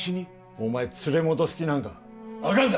お前連れ戻す気なんか？あかんざ！